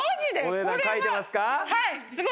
お値段書いてますか？